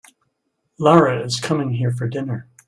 Lara is coming here for dinner.